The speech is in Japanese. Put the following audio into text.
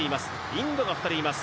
インドも２人います。